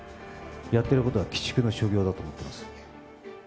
やってることは鬼畜の所業だと思っています。